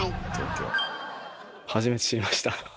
初めて知りました。